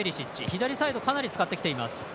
左サイド、かなり使ってきています。